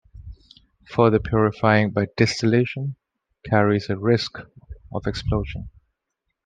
Further purifying by distillation carries a risk of explosion.